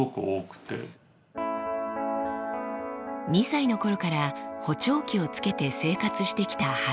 ２歳の頃から補聴器をつけて生活してきた原さん。